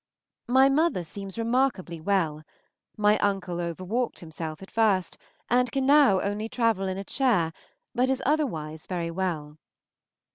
My mother seems remarkably well. My uncle overwalked himself at first, and can now only travel in a chair, but is otherwise very well.